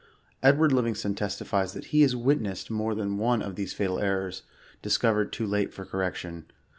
Edward Livingston testifies that he has witnessed more than one of these fatal errors, discovered too late for correction.